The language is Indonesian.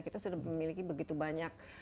kita sudah memiliki begitu banyak